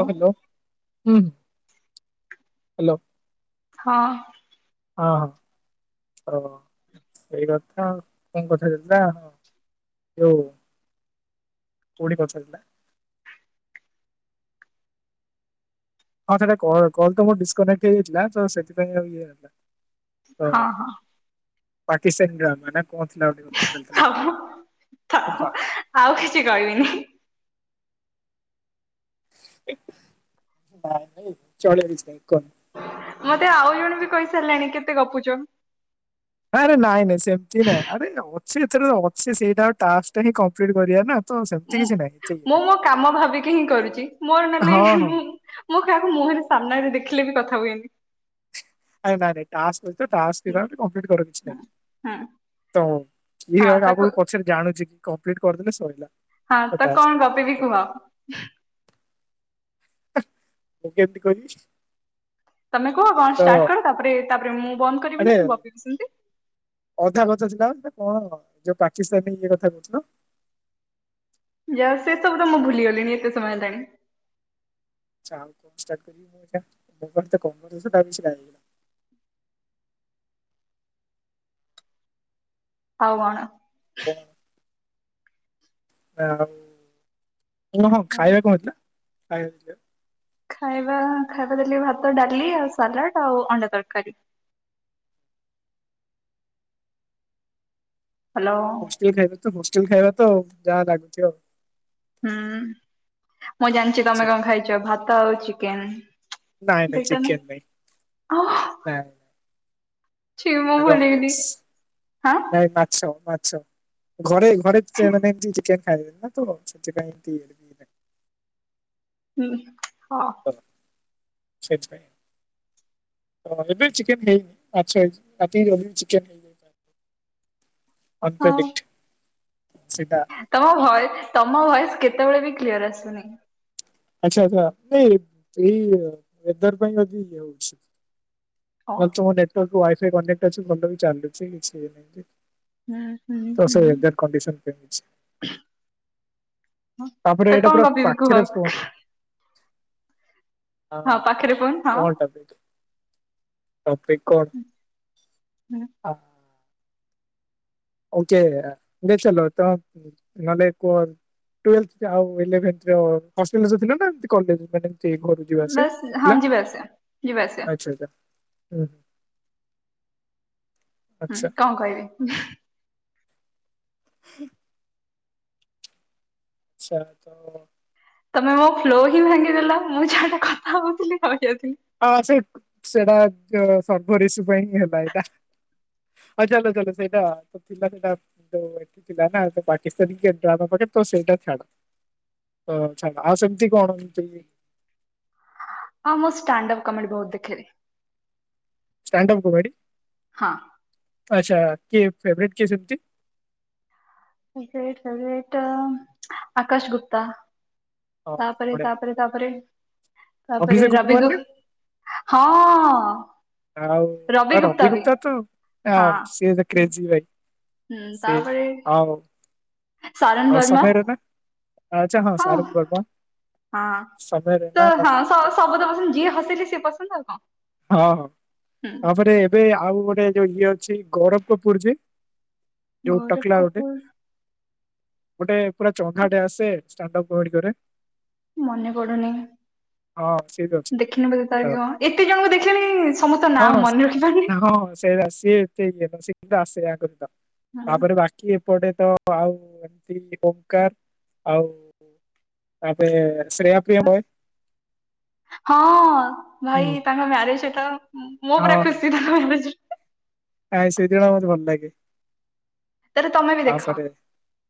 ହଁ ହ୍ୟାଲୋ ହୁଁ ହ୍ୟାଲୋ। ହଁ। ହଁ ହଁ ସେଇ କଥା ଆଉ କଣ କଥା ଚାଲିଥିଲା ହଉ କୋଉଠି କଥା ଥିଲା ହଁ ସେଇଟା କଲ ତ ମୋର ଡିସକନେକ୍ଟ ହେଇଯାଇଥିଲା। ତ ସେଥିପାଇଁ ଆଉ ଇଏ ହେଲା ତ ହଁ ହଁ। ପାକିସ୍ତାନୀ। ଥାଉ [unintelligible] ଥାଉ ଆଉ କିଛି କହିବିନି। [unintelligible] ନାଇଁ ନାଇଁ ଚଳିବ କିଛି ନାହିଁ କୁହ ମତେ ଆଉ ଜଣେ ବି କହିସାରିଲାଣି କେତେ ଗପୁଚ। ଆରେ ନାଇଁ ନାଇଁ ସେମିତି ନାଇଁ ଆରେ ସେ ଏଥିରେ ଅଛି ସେଇଟା ଟାସ୍କ ଟା ହିଁ କମ୍ପିଟ କରିବା ନା ତ ସେମିତି କିଛି ନାହିଁ। ଏତେ ଇଏ ମୁଁ ନାହିଁ ମୋ କାମ ଭାବିକି ହିଁ କରୁଛି। ମୋର ହଁ ନହେଲେ ହଁ ମୁଁ ମୋ କାହାକୁ ମୁହଁ ରେ ସାମ୍ନାରେ ଦେଖ ଦେଖିଲେ ବି କଥା ହୁଏନି। ନାଇଁ ନାଇଁ ନାଇଁ ଟାସ୍କ ଟାସ୍କ ଟା କମ୍ପିଟ କର କିଛି ନାହିଁ। ହୁଁ ତ ଇଏ ହଁ ଆଗ ତାକୁ ବି ପଛରେ ଜାଣୁଛି କମ୍ପ୍ଲିଟ କରିଦେଲେ ସଇଲା। ହଁ ତ କଥା କଣ ଗପି ବି କୁହ । ମୁଁ କେମିତି କହିବି। ତମେ କୁହ କଣ ତ ଷ୍ଟାର୍ଟ କର ତାପରେ ତାପରେ ମୁଁ ବନ୍ଦ ଆରେ କରିବିନି ମୁଁ ଗପିବି ସେମତି। ଅଧା କଥା ଥିଲା ସେ କଣ ଯୋଉ ପାକିସ୍ତାନ ଇଏ କଥା କହୁଥିଲ। ଯା ସେ ସବୁ ତ ମୁଁ ଭୁଲିଗଲିଣି ଏତେ ସମୟ ହେଲାଣି। [unintelligible] [inaudible] ଆଉ କଣ? କଣ ଆଉ ହଁ ଖାଇବା କଣ ହେଇଥିଲା? ଖାଇବା ଖାଇବା ଖାଇବା ଦେଲେ ଭାତ ଡାଲି ଆଉ ସାଲାଡ ଆଉ ଅଣ୍ଡା ତରକାରୀ । ହ୍ୟାଲୋ ହଷ୍ଟେଲ ଖାଇବା ତ ହଷ୍ଟେଲ ଖାଇବା ତ ଯାହା ଲାଗୁଥିବ ଆଉ। ହୁଁ ମୁଁ ଜାଣିଛି ତମେ ସେଇଆ କଣ ଖାଇଛ ଭାତ ଆଉ ଚିକେନ। ନାଇଁ ନାଇଁ ସେଇଟା ନା। ଚିକେନ ନାଇଁ ନାଇଁ ହାଁ ନାଇଁ ମାଛ ମା ଆଛା ଘରେ ଘରେ [unintelligible] ଚିକେନ। [unintelligible] ହୁଁ ହଁ। ସେଇଥିପାଇଁ। ହ ଏ ଚିକେନ୍ ହେଇନି ମାଛ ହେଇଚି ଚିକେନ୍ ହେଇ [inaudible] ହଁ ଅନପ୍ରେଡ଼ିକଟ ତମ ଭ ତମ ଭଏସ କେତେବେଳେ ବି କ୍ଲିୟର ଆସୁନି। ଆଚ୍ଛା ଆଛା ନାଇଁ ଏ ନେଟୱର୍କ ପାଇ ଇଏ ହୋଉଛି। ହଁ ନଲେ ତମଟାର୍ ୱାଇଫ କନେକ୍ଟ ଅଛି, ଭଲ ବି ଚାଲୁଛି କିଛିନାଇଁ ହୁଁ ହୁଁ ତ ସେଇ ହୁଁ ଏଜାକ୍ଟ କଣ୍ଡିସନ କମିଛି। ତାପରେ ତ ଏଇଟା କଣ ପୁରା ଗପିବି କୁହ ପାଖରେ ଫୋନ୍ ହଁ ପାଖରେ କୁଣ ହଁ। କଣ ଟପିକ ହୁଁ [inaudible] ଓକେ ଦେ ଚାଲ ତ ନଲେ କୁହ! ଟୁଏଲେଥ ଆଉ ଇଲେଭେନଥ ଯୋଉ ଫାଷ୍ଟ ସେମିଷ୍ଟର ଥିଲା ନା ଏମିତି କଲେଜ ମାନେ ସେ ଘରୁ ଯିବା ଆସ ବାସ୍ ହଁ ହେଲା ଯିବା ଆସିବା ଯିବା ଆସିବା ଆଛା ଆଚ୍ଛା। ହୁଁ। ହୁଁ ଆଚ୍ଛା କଣ କହିବି? [inaudible] ଆଛା ତ ତମେ ମୋ ଫ୍ଲୋ ହିଁ ଭାଙ୍ଗିଦେଲ, ମୁଁ ଛୁଆଟା କଥା ହଉଥିଲି ରହିଯାଇଥିଲି। ହଁ ସେ ସେଟା ସର୍ବରିଷ ପାଇଁଁ ହେଲା ସେଟା ହ ଚାଲ ଚାଲ ସେଇଟା ତ ଥିଲା ସେଇଟା ଥିଲା ନା, ପାକିସ୍ତାନି ଆମ ପାଖେ ତ ସେଇଟା ଛାଡ ଛାଡ ଆଉ ସେମିତି କଣ ହଁ ମୁଁ ଷ୍ଟାଣ୍ଡପ୍ କମେଡି ବହୁତ ଦେଖିଲି। ଷ୍ଟାଣ୍ଡ ଅପ କୋଭଡ଼ି ହଁ। ଆଚ୍ଛା କିଏ ଫେବରେଟ୍ କିଏ ସେମତି ଫେବରେଟ ଫେବରେଟ୍ ଆକାଶ ଗୁପ୍ତା ହଁ ତାପରେ ବଢିଆ ତାପରେ ତାପରେ ତାପରେ ଅଭିଷେକ ରବିକୁୁ ଉପମନ୍ୟୁ ହଁ। ଆଉ ରବି ଗୁପ୍ତା ବି ରବିଗୁପ୍ତା ତ ଆ ସିଏ ହଁ। ଦେଖେଇଚି ଯାଇ ହୁଁ ତାପରେ ସାରନ ଆଉ ବର୍ମା ସମୟ ରୈନା ଆଚ୍ଛା ହଁ ଶାରୁଖ ବର୍ବନ ହଁ ତ ହଁ ସବଦ ପସନ୍ଦ ଯିଏ ହସେଇଲେ ସେଏ ପସନ୍ଦ ଆଉ କଣ ହଁ ହଁ ହୁଁ ତାପରେ ଏବେ ଆଉ ଗୋଟେ ଯୋଉ ଇଏ ଅଛି, ଗୌରବ କପୁର ଯେ ଯୋଉ ଗୌରବ ଟକଲା ଗୋଟେ କପୂୁର ଗୋଟେ ପୁରା ଚଢାଟେ ଆସେରେ ମନେ ପଡୁନି ହଁ ସିଏ ବି ଅଛି ଦେଖିନି ବଧେ ତ ତାର ଏତେ ଜଣଙ୍କୁ ଦେଖ ସମସ୍ତ ନାଁ ମନେ ରଖିବା କି ଆ ଏତେ ଇ ସେ କିନ୍ତୁ ଆସୋ କର ତାପରେ ବାକି ପଟେ ତ ଆଉ ଏମତି ଓମ୍କାର ଆଉ। ଆପେ ଶ୍ରେୟ ପ୍ରିୟମ ଭଏ ହଁ ଭାଇ ତାଙ୍କ ମ୍ୟାରେଜ ଏଟା ମୁଁ ପୁରା ଖୁସି ତାଙ୍କ ମ୍ୟାରେଜ ଆଁ ସେଇଦିନ ମୋତେ ଭଲ ଲାଗେ। ତାରେ ତମେ ବି ଦେଖ ତାପରେ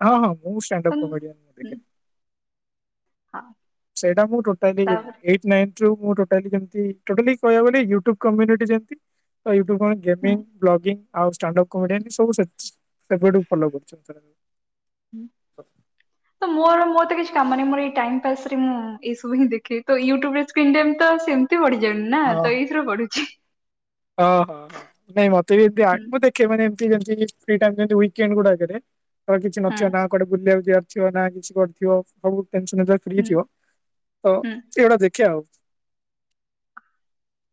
ହଁ ହଁ ମୁଁ ଣ୍ଡପ୍ ହୁଁ କ ମୁଁ ଦେଖି ହଁ ସେଇଟା ମୁଁ ଟୋଟାଲି ତାପରେ ଏଇଟ୍ ନାଇନ୍ ମୁଟାତିଟା କହିବା ଗ ୟୁୁବମୁ ଯେମ ହୁଁ ଗେମିଙ୍ଗ ବ୍ଲଗିଂ ଆଉ ଷ୍ଟାଣ୍ଡପ୍ କମେଡିଆନ୍ ସବୁ ସେ ଫଲୋ କରୁଛନ୍ତି। ତ ମୋର ମତ କିଛି କାମ ମ ମୋ ଏଇ ଟାଇସରେ ମୁଁ ଏଇବୁିଁ ଦେଖେ ତ ୟୁୁବ ସ୍କ୍ର ତ ସେମିତି ଵ ଜେମ ନା ତ ଏଇଥିରୁ ପଢୁଛିି। ଓଁ ହଁ ହଁ ନାଇଁ ମତେ ବି ଏମିତି ଆ ହୁଁ ମୁଁ ଦେଖେ ମାନେ ତି ଯେମିତି ଫ୍ରି ଟାଇମ ଯେମିତି ୱିକେଣ୍ଡ ଗୁଡାକେରେ ଅ କିଛି ହୁଁ ନଥିବା ନା କୁଆଡେ ବୁଲିବାକୁ ଯିବାର ଥିବାର ନା କିଛି କୁଆଡ଼ ଥିବ ସବୁ ଟେନସନ ଫ୍ରି ହୁଁ ଥିବ ତ ହୁଁ ଏଇଗୁଡା ଦେଖେ ଆଉ।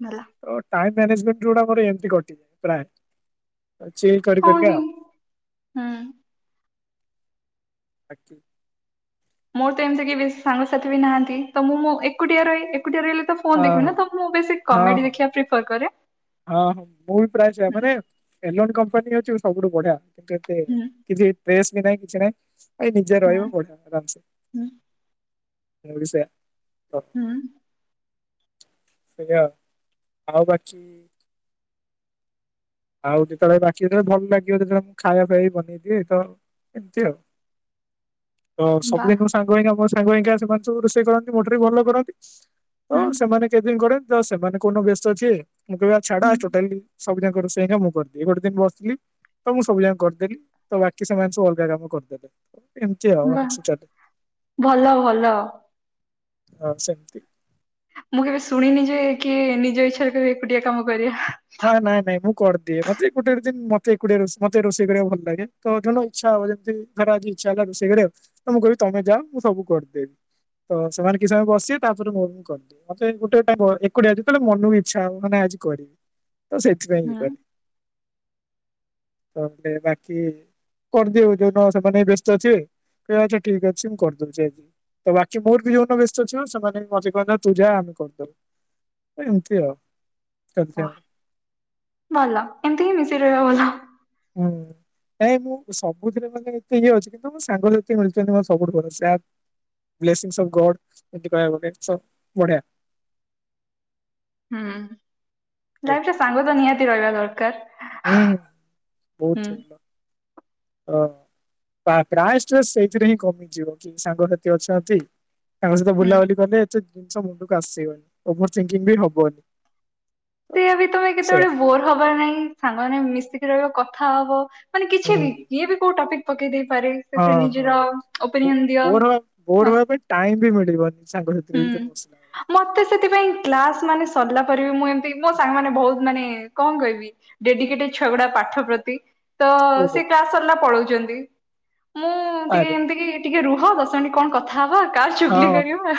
ଭଲ ଅ ଟାଇମ ମ୍ୟାନେଜମେଣ୍ଟ ଯୋଉଗୁଡ଼ା କରେ ଏମିତି କଟିଯାଏ ପ୍ରାୟେ। ଅ ଚିଲ କରି ହଁ କରି କା। ହିଁ ହୁଁ ଆକି। ମୋର ତ ଏମିତି କିଏ ବେଶୀ ସାଙ୍ଗସାଥି ବି ନାହାନ୍ତି ତ ମୁଁଁ ମୋ ଏକୁଟିଆ ରହେ ଏ ଏକୁଟିଆ ରହିଲେ ତ ହଁ ଫୋନ ଦେଖୀମି ନା ତ ମୁଁ ବେଶୀ ହଁ କମେଡି ହଁ। ଦେଖେ ଆକଚୁଲି କରକରେ। ହଁ ହଁ ମୁଁ ବି ପ୍ରାୟ ସେୟା ମାନେ ଏଲୋନ କମ୍ପାନୀ ହଉଛି ସବୁଠୁ ବଢିଆ। କିନ୍ତୁ ଏୟା ହୁଁ କିଛି ପ୍ରେସ୍ ବି ନାହିଁ କିଛି ନାହିଁ। ଏଇ ନିଜେ ହୁଁ ରହିବ ପଢ଼ିବ ଆରାମ ସେ ହୁଁ ମୁଁ ବି ସେୟା। ହ। ହୁଁ ସେୟା ଆଉ ଆଉ ବାକି। ଆଉ ଯେତେବେଳେ ବାକି ଯେତେବେଳେ ଭଲ ଲାଗିବ ଯେତେବେଳେ ମୁଁ ଖାଇବା ପାଇଁ ବି ବନେଇଦିଏ ତ ଏମିତି ଆଉ। [unintelligible] ତ ବା ସବୁଦିନ ମୋ ସାଙ୍ଗ ପାଇଁ କା ମୋ ସାଙ୍ଗ ପାଇଁ କା ସେମାନେ ସବୁ ରୋଷେଇ କରନ୍ତି ମୋଠୁ ଟିକେ ଭଲ କରନ୍ତି। ତ ହୁଁ ସେମାନେ କେତେ ଦିନ କରନ୍ତି ତ ସେମାନେ କଉ ଦିନ ବ୍ୟସ୍ତ ଥିବେ ମୁଁ କହିବି ଆଉ ଛାଡ ହୁଁ ଆଜି ଟୋଟାଲି ସବୁ ଯାକ ତ ସେଇନା ମୁଁ କରିଦିଏ ଗୋଟେ ଦିନ ବସିଥିଲି। ତ ମୁଁ ସବୁ ଯାକ କରିଦେଲି ତ ବାକି ସେମାନେ ସବୁ ଅଲଗା କାମ କରିଦେଲେ। ଏମିତି ଆଉ ବା ଆମର ସବୁ ଚାଲେ ଭଲ ଭଲ ହଁ ସେମିତି। ମୁଁ କେବେ ଶୁଣିନି ଯେ କିଏ ନିଜ ଇଚ୍ଛାରେ କେବେ ଏକୁଟିଆ କାମ କରିବା। ଦିଏ ମତେ ଗୋଟେ ଦିନ ମତେ ଏକୁଟିଆ ରୋଷେଇ ମତେ ରୋଷେଇ କରିବାକୁ ଭଲ ଲାଗେ ତ ଯୋଉଦିନ ଇଚ୍ଛା ହବ ଯେମିତି ଧର ଆଜି ଇଛା ହେଲା ରୋଷେଇ କରିବାକୁ ତ ମୁଁ କହିବି ତମେ ଯାଅ ମୁଁ ସବୁ କରିଦେବି। ତ ସେମାନେ କିଛି ସମୟ ବସିବେ ତାପରେ ମୁଁ ମୁଁ କରିଦିଏ ମତେ ଗୋଟେ ଟାଇମ୍ ଏକୁଟିଆ ଯେତେବେଳେ ମନକୁ ଇଚ୍ଛା ହବ ମାନେ ଆଜି କରିବି। ତ ସେଥିପାଇଁ ଇଏ ହୁଁ। କରେ। ତାହେଲେ ବାକି କରିଦିଏ ଯୋଉ ଦିନ ସେମାନେ ବ୍ୟସ୍ତ ଥିବେ। କହିବେ ଆଚ୍ଛା ଠିକ ଅଛି ମୁଁ କରିଦଉଚି ଆଜି। ତ ବାକି ମୋର ବି ଯୋଉ ଦିନ ବ୍ୟସ୍ତ ଥିବ ସେମାନେ ବି ମତେ କହନ୍ତି ତୁ ଯା ଆମେ କରିଦବୁ। ଏମିତି ଆଉ ଚାଲିଚି ଆମର। ଭଲ ଏମିତି ହିଁ ମିଶିକି ରହିବ ଭଲ। ହୁଁ। ନାଇଁ ମୁଁ ସବୁଥୀରେ ମାନେ ଏତେ ଇଏ ଅଛି କିନ୍ତୁ ମୋ ସାଙ୍ଗ ସାଥି ମିଳୁଚନ୍ତି ମୋ ସବୁଠୁ ବଡ ସେୟା ବ୍ଲେଶିଙ୍ଗସ ଅଫ ଗଡ ଏମିତି କହିବାକୁ ଗଲେ ଶ ବଢିଆ। ହୁଁ ହୁଁ ଲାଇଫ ରେ ସାଙ୍ଗ ତ ନିହାତି ରହିବା ଦରକାର। ହୁଁ ହୁଁ। ବହୁତ ଭଲ। ଓ ପା ପ୍ରାଇସ ତ ସେଇଥିରେ ହିଁ କମିଯିବ କି ସାଙ୍ଗସାଥି ଅଛନ୍ତି। ତାଙ୍କ ସହିତ ହୁଁ ବୁଲାବୁଲି କଲେ ଏତେ ଜିନିଷ ମୁଣ୍ଡକୁ ଆସିବନି ଓଭରଥିଙ୍କିଙ୍ଗ ବି ହବନି। ସିଏ ବି ତମେ କେତେବେଳେ ସେୟା ବୋର ହବାର ନାହିଁ ସାଙ୍ଗମାନେ ମିଶିକି ରହିବ କଥା ହବ। ମାନେ କିଛି ହୁଁ ବି ଯିଏ ବି କୋଉ ଟପିକ ପକେଇଦେ ପାରେ ସେଥିରେ ହଁ ହଁ ନିଜର ବୋ- ଓପିନିଅନ ଦିଅ ବୋର ହବା ବୋର ହବା ମସ୍ତ। ପାଇଁ ଟାଇମ ବି ମିଳିବନି ସାଙ୍ଗସାଥିରେ ଭିତରେ ବସିଲା ହୁଁ ମତେ ସେଥିପାଇଁ କ୍ଲାସ ମାନେ ସରିଲା ପରେ ବି ମୁଁ ଏମିତି ମୋ ସାଙ୍ଗ ମାନେ ବହୁତ ମାନେ କଣ କହିବି ଡେଡିକେଟେଡ ଛୁଆ ଗୁଡା ପାଠ ପ୍ରତି। ତ ବେଳେ ଓହୋ ସେ କ୍ଲାସ ସରିଲା ପଳଉଚନ୍ତି। ଆରେ ଆରେ। ହଁ ଦଶ ମିନିଟ କଣ କଥା ହବ କାହା ଚୁଗଲି ହଁ। କରିବା?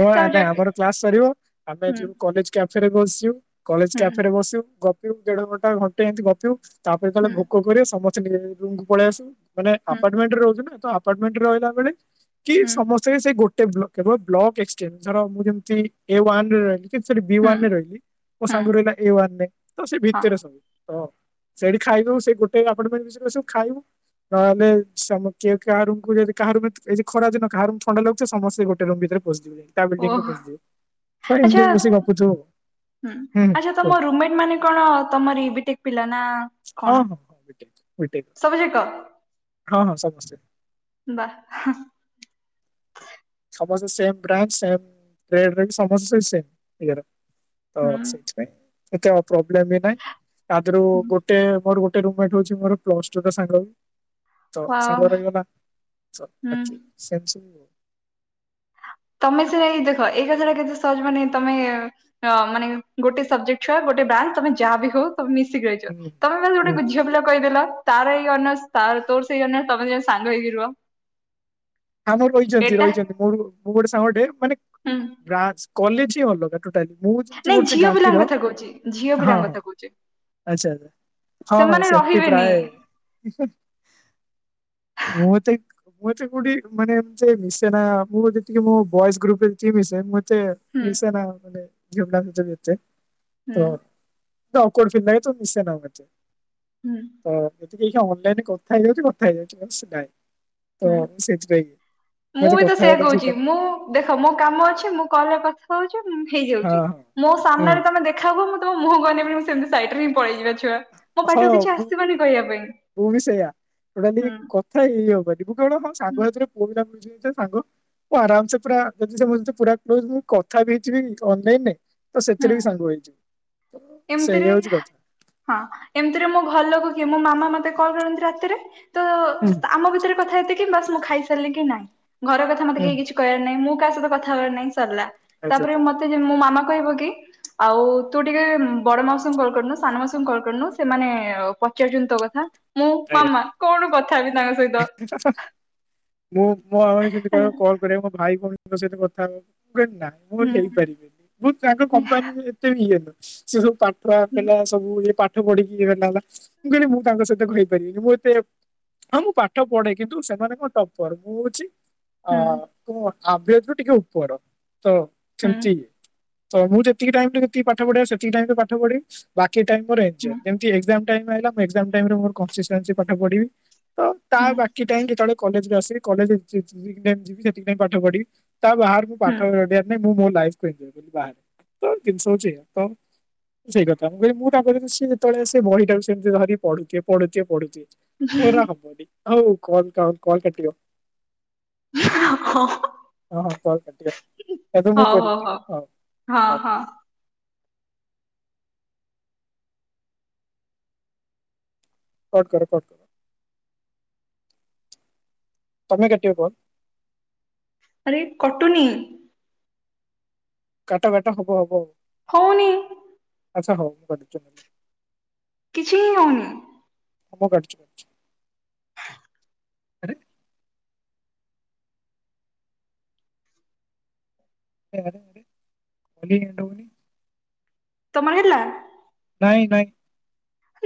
ହଁ ଆ ତାପରେ ନା ଯାଇକି ଆମର କ୍ଲାସ ସରିବ ଆମେ ହୁଁ ଯିବୁ କଲେଜ କ୍ୟାଫେ ରେ ବସିଯିବୁ। କଲେଜ ହୁଁ କ୍ୟାଫେରେ ବସିବୁ ଗପିବୁ ଦେଢ ଘଣ୍ଟା ଘଣ୍ଟେ ଏମିତି ଗପିବୁ ତାପରେ ଯେତେବେଳେ ହୁଁ ଭୋକ କରିବ ସମ ରୁମକୁ ପଳେଇ ଆସୁ ମାନେ ହୁଁ ଆପାଟମେଣ୍ଟରେ ରୋହୁଚୁନା ଆପାଟମେଣ୍ଟ ରାହିଲା ବେଳେ କି ହୁଁ ସମସ୍ତେ ସେ ଗୋଟେ ବ୍ଲକ କି ବ୍ଲକ ଏକ୍ସଚେଞ୍ଜ ଧର ମୁଁ ଯେମିତି ଏ ଉଆନ ରେରହିଲି। ବି ହୁଁ ୱନରେ ରହିଲି ମୋ ହୁଁ ସାଙ୍ଗରେ ରହିଲା ଏ ୱାନ ତ ସେ ହଁ ଭିତରେ ସବୁ। ହଁ ସେଇଠି ଖାଇବୁ ସେ ଗୋଟେ ଆପାଟମେଣ୍ଟ [unintelligible] ଖାଇବୁ। ନହେଲେ ସମୁ କିଏ କାହା ରୁମ୍ କୁ କୁ ଯଦି କାହା ରୁମ୍ ଖରା ଦିନ କାହା ରୁମ ଥଣ୍ଡା ଲାଗୁଛି ସମସ୍ତେ ଗୋଟେ ରୁମ୍ ଭିତରେ ପଶିଯିବେ ଯାଇକି ତା ବିଲ୍ଡିଙ୍ଗ ରେ ଓହ ପସିଯିବେ [unintelligible] ଆଚ୍ଛା ହୁଁ ଆଚ୍ଛା ତମ ରୁମମେଟ ମାନେ କଣ ତମରି ବିଟେକ୍ ପିଲା ନା ହଁ କଣ? ହଁ ହଁ ବିଟେକ୍ ବିଟେକ୍ ସବୁଜାକ ହଁ ହଁ ସମସ୍ତେ ବା ସମସ୍ତେ ସେମ ବ୍ରାଞ୍ଚ ସେମ୍ [unintelligible] ସମସ୍ତେ ସେଇ ସେମ ଇଏରେ। ହ ହୁଁ ସେଇଥି ପାଇଁ ଏତେ ପ୍ରୋବ୍ଲେମ ବି ନାଇଁ। ତାଧିରୁ ଗୋଟେ ମୋର ଗୋଟେ ରୁମମେଟ୍ ରହୁଛି ମୋର ପ୍ଲସ ଟୁ ର ସାଙ୍ଗ। ତ ୱାଓ ସାଙ୍ଗରେ ରହିଗଲା ତ ହୁଁ ବାକି ସେ ବି ସେ ତମେ ସେଇ ଦେଖ ଏଇ କଥାଟା କେତେ ସହଜ ମାନେ ତମେ ଅ ମାନେ ଗୋଟେ ସବଜେକ୍ଟ ଛୁଆ ଗୋ ଗୋ ବ୍ରାଞ୍ଚ ତମେ ଯାହା ବି ହଉ। ମିଶିକି ରହିଚ ହୁଁ ତମେ ମାନେ ହୁଁ। ହୁଁ। ଗୋଟେ ଝିଅ ପିଲା କହିଦେଲ ତାର ଏଇ ଅନର୍ ତ ତୋର ସେଇ ଅନର୍ ତମେ ଦି ଜଣ ସାଙ୍ଗ ହେଇକି ରୁହ। ହଁ ମ ରଇଚନ୍ତି ଏଟା ରଇଚନ୍ତି ମୋ ମୁଁ ଗୋଟେ ସାଙ୍ଗ ଟେ ମାନେ ହୁଁ କଲେଜ ହିଁ ଅଲଗା। ମୁଁ ଯେମିତି ନାଇଁ ପଡୁଚି ଝିଅ ପିଲାଙ୍କ ଗାନ୍ଧୀର କଥା କହୁଛି ଝିଅ ହଁ ପିଲାଙ୍କ ହଁ କଥା କହୁଛି। ଆଚ୍ଛା ଆଚ୍ଛା। ହଁ ସେମାନେ ସେମତି ରହିବେନି ପ୍ରାୟ ମୁଁ ତ ମୁଁ ଏତେ କୋଉଠି ମାନେ ମିଶେ ନା ମୁଁ ଯେତିକି ମୋ ବଏଜ୍ ଗ୍ରୁପରେଯେତିକି ମିଶେ ମୁଁ ହୁଁ ମିସେନା ମାନେ ଝିଅପିଲାଙ୍କ ସହିତ ବି ଏତେ। ହୁଁ। ଅକଉଏର୍ଡ ଫିଲ ଲାଗେତ ମିସେନା ଏତେ। ହୁଁ। [unintelligible] ଅନଲାଇନରେ କଥା ହେଇଯାଉଚି କଥା ହେଇଯାଉଚି ହୁଁ। ନହେଲେ ନାହିଁ। ମୁଁ ବି ତ ସେଇଆ କହୁଚି ମୁଁ ସହିତ ଦେଖ ମୋ କାମ ଅଛି ମୁଁ କଲରେ କଥା ହଉଛି ହଁ ହେଇଯାଉଚି ମୋ ହଁ ସାମ୍ନାରେ ତମେ ଦେଖା ହୁଅ ମୁଁ ତମ ମୁହଁକୁ ଅନେଇବିନି ମୁଁ ସେମିତି ସାଇଟ ହିଁ ପଳେଇ ଯିବା ହଁ ମୁଁ ମୁଁ ହିଁ ସେଇଆ ହୁଁ [unintelligible] କଥା ଏଇ ହବନି। [unintelligible] ହଁ ସାଙ୍ଗ ଏଜ ପୁଅ [unintelligible] ସାଙ୍ଗ। ଆରାମ ସେ ପୁରା ଯଦି ପୁର [unintelligible] ମୁଁ କଥା ବି ହେଇଯିବି ଅନଲାଇନରେ ତ ସେଥିରେ ହୁଁ ବି ସାଙ୍ଗ ହେଇଯିବି। ଏମିତିରେ ହଁ। ଏମିତିରେ ମୋ ଘର ଲୋକ କି ମୋ ମାମା ମତେ କଲ୍ କରନ୍ତି ରାତିରେ ହୁଁ ତ ଆମ ଭିତରେ କଥା ଏତିକି କିମ୍ବା ମୁଁ ଖାଇସାରିଲି କି ନାଇଁ ଘର କଥା ମତେ ହୁଁ କେହି କିଛି କହିବାର ନାହିଁ ମୁଁ କାହା ସହିତ କଥାହବାର ନାହିଁ। ସିଲା ଆଚ୍ଛା ତାପରେ ଆଚ୍ଛା। ମତେ ମୋ ମାମା କହିବ କି ଆଉ ତୁ ଟିକେ ବଡ ମାଉସୀ କଲ କରିନୁ ସାନ ମାଉସୀଙ୍କୁ କଲ କରିନୁ ସେମାନେ ପଚାରୁଛନ୍ତି ତୋ କଥା। ମୁଁ ଆଜ୍ଞା ମାମା କଣ କଥା ହେବି ତାଙ୍କ ସହିତ? ମୁଁ ମୋ ଆମ ପାଇଁମିତି କହ ହେଲା କଲ୍ କରିବା ମୋ ଭାଇ କଉଣଙ୍କ ସହିତ କଥା ହବ ନା ମୁଁ ହୁଁ। ହେଇପାରିବିନି ମୁଁ ତାଙ୍କ ହୁଁ କମ୍ପାନୀ ଏତେ ଇଏନ ସେ ସବୁ ହୁଁ ପିଲା ସବୁ ପା ପାଠ ପଢିକି ଏ ଗଲା ହେଲା ମୁଁ କହିଲି ମୁଁ ତାଙ୍କ ସହିତ କହିପାରିବିନି ମୁଁ ଏତେ ହଁ ମୁଁ ପାଠ ପଢେ କିନ୍ତୁ ସେମାନେ କଣ ଟପର ମୁଁ ହଉଛି ଅ କ ଆବଜ ବି ଟିକେ ଉପର ତ ହୁଁ ସେମିତି ଇ ତ ମୁଁ ଯେତିକି ଟାଇମ ରେତିକି ପାଠ ପଢିବା ସେତିକି ଟାଇମ ପାଠ ପଢିବି ବାକି ହୁଁ ଟାଇମ ପାଠ ପଢିବି ଯେତେବେଳେ ତା ହୁଁ। ବାକି ଟାଇମ୍ ଯେତେବେଳେ କଲେଜ ଯିବି ସେଥିପାଇ ପାଠ ପଢି ତା ବାହାରୁ ମୁଁ ହୁଁ। ପାଠ ପାଇଁ ମୁଁ [unintelligible] ସେଇ କଥା ମୁଁ କହିଲି ମୁଁ ତାଙ୍କରେ ସେ ଯେତେବେଳେ ସେ ବହିାକୁମିତି ଧରି ପଢଥିବ ପଢୁଥିବ ପଢୁଥିବେ ହୁଁ। ମୋର ହବନି ହଉ କ କ କଲ କାଟିିବ। [inaudible] ହଁ ହଁ କଲ କଟିଗଲା। ଏବେ ମୁଁ ହଉ ହଉ କରିବି ହଁ ହଁ। କଟ୍ କର କଟ୍ କର। ତମେ କାଟିବ କଲ୍? ଏ କଟୁନି। କାଟ କାଟ ହବ ହବ। ହୋଉନି। ଆଚ୍ଛା ହୋଉ ମୁଁ। [unintelligible] କିଛି ହିଁ ହୋଉନି। ହୋଉ ମୁଁ କାଟୁଚି କାଟୁଚି। [inaudible] ଆରେ ଆରେ ଆରେ ଆରେ ଇଏ ଏଣ୍ଡ ହୋଉନି। ତମର ହେଲା। ନାଇଁ ନାଇଁ।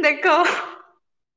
ଦେଖ।